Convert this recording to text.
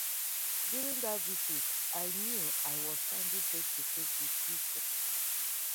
During that visit, I knew I was standing face to face with history.